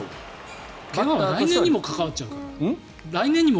怪我は来年にも関わっちゃうから。